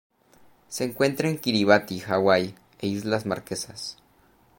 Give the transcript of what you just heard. Se encuentra en Kiribati, Hawaii e Islas Marquesas.